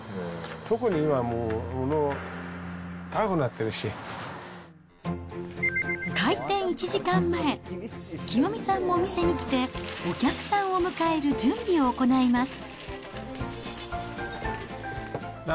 特に今、開店１時間前、きよみさんもお店に来て、お客さんを迎える準備を行います。